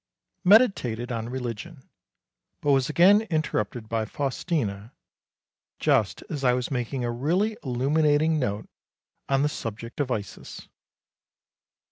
Meditated on religion, but was again interrupted by Faustina just as I was making a really illuminating note on the subject of Isis.